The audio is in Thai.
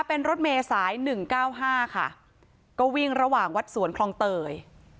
เป็นรถเมฆสายหนึ่งเก้าห้าค่ะก็วิ่งระหว่างวัดสวนคลองเตย